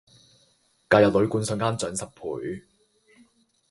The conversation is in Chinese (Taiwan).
假日旅館瞬間漲十倍